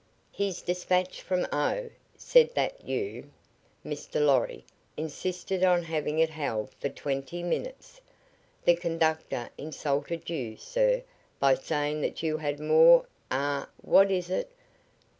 His despatch from O said that you, Mr. Lorry, insisted on having it held for twenty minutes. The conductor insulted you, sir, by saying that you had more ah, what is it?